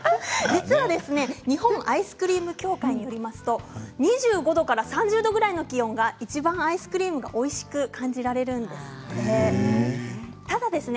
実は日本アイスクリーム協会によりますと２５度から３０度くらいの気温がいちばんアイスクリームがおいしいと感じられる気温だそうです。